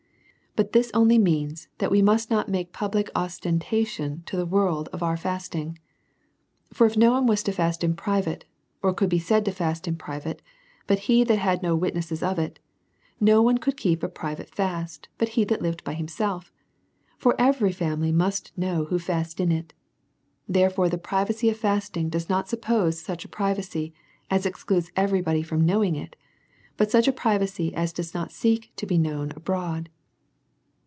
But this only means, that we must not make public ostentation to the world of our fasting. For if no one was to fast in private, or could be said to fast in private, but he that had no witnesses of it, no one could keep a private fast, but he that lived by himself: For every family must know who fasts in it. Therefore the privacy of fasting does not sup pose such a privacy, as excludes every body from knowing it, but such a privacy as does not seek to be. known abroad.